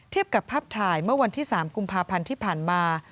กับภาพถ่ายเมื่อวันที่๓กุมภาพันธ์ที่ผ่านมา